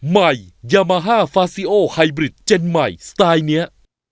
ใหม่ยามาฮ่าฟาซิโอไฮบริดเจนใหม่สไตล์นี้